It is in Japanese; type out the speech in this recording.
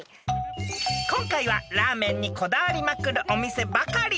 ［今回はラーメンにこだわりまくるお店ばかり］